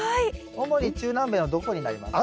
主に中南米のどこになりますか？